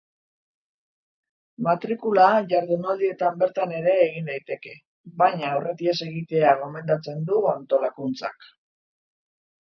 Matrikula jardunaldietan bertan ere egin daiteke, baina aurretiaz egitea gomendatzen du antolakuntzak.